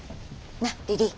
なあリリー。